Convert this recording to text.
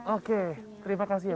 oke terima kasih mbak